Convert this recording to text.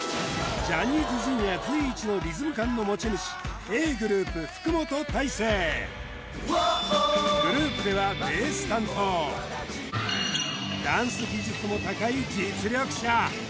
ジャニーズＪｒ．随一のリズム感の持ち主グループではベース担当実力者